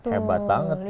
hebat banget ya